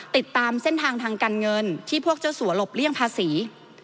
ติดตามเส้นทางทางการเงินที่พวกเจ้าสัวหลบเลี่ยงภาษี